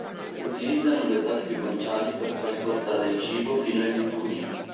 Utilizzano le tasche guanciali per trasportare il cibo fino ai rifugi.